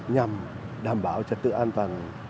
nhằm đảm bảo trật tự an toàn